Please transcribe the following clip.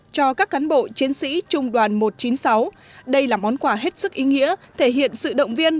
cho các cán bộ chiến sĩ trung đoàn một trăm chín mươi sáu đây là món quà hết sức ý nghĩa thể hiện sự động viên